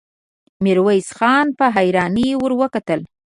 ميرويس خان په حيرانۍ ور وکتل.